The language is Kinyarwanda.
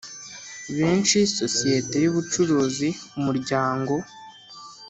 Benshi sosiyete y ubucuruzi umuryango